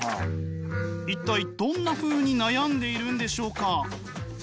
一体どんなふうに悩んでいるんでしょうか。